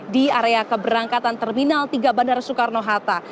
di area keberangkatan terminal tiga bandara soekarno hatta